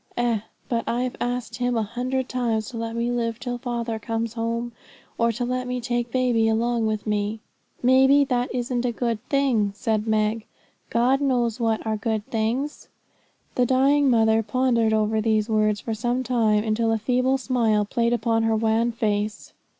Eh! but I've asked Him a hundred times to let me live till father comes home, or to let me take baby along with me.' 'May be that isn't a good thing,' said Meg. 'God knows what are good things.' The dying mother pondered over these words for some time, until a feeble smile played upon her wan face.